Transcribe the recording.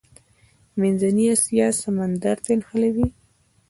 منځنۍ اسیا سمندر ته نښلوي.